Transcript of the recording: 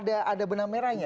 ada benang merahnya